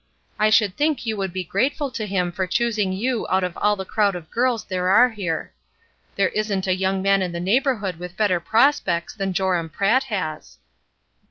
I should think you would be grateful to him for choosing you out of all the crowd of girls there are here. There isn't a young man in the neighborhood with better prospects than Joram Pratt has."